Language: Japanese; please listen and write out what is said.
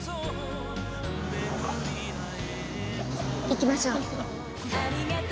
行きましょう。